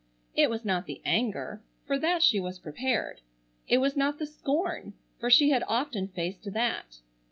It was not the anger,—for that she was prepared. It was not the scorn, for she had often faced that.